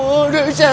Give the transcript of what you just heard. ular kan deket seh